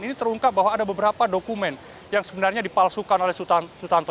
ini terungkap bahwa ada beberapa dokumen yang sebenarnya dipalsukan oleh sutanto